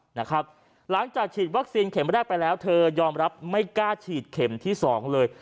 หลังจากฉีดวัคซีนเข็มแรกไปแล้วเธอยอมรับไม่กล้าฉีดเข็มที่๒เลย